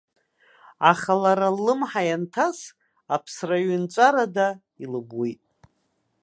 Аха лара ллымҳа ианҭас, аԥсраҩынҵәарада илымуит.